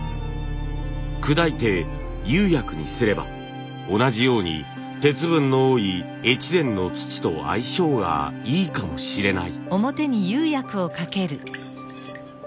砕いて釉薬にすれば同じように鉄分の多い越前の土と相性がいいかもしれない。